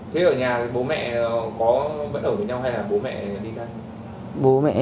thế ở nhà bố mẹ có vẫn ở với nhau hay là bố mẹ ly thân